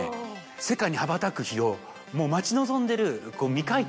世界に羽ばたく日を待ち望んでる。